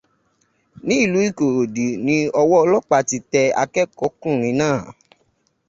Ní ìlú Ìkòròdú ni ọwọ́ ọlọ́pàá ti tẹ akẹ́kọ̀ọ́ kùnrin náà.